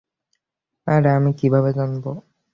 আরে আমি কিভাবে জানবো?